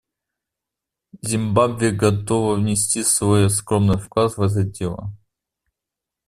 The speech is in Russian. Зимбабве готова внести свой скромный вклад в это дело.